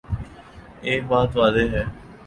ایک بات واضح ہے۔